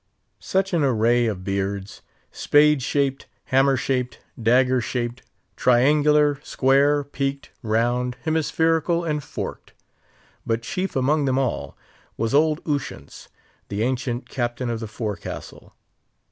Such an array of beards! spade shaped, hammer shaped, dagger shaped, triangular, square, peaked, round, hemispherical, and forked. But chief among them all, was old Ushant's, the ancient Captain of the Forecastle.